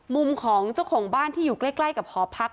มุมของเจ้าของบ้านที่อยู่ใกล้กับหอพัก